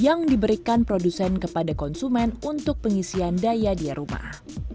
yang diberikan produsen kepada konsumen untuk pengisian daya rumah